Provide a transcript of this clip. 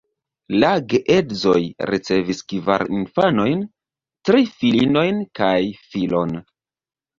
La geedzoj ricevis kvar infanojn: tri filinojn kaj filon.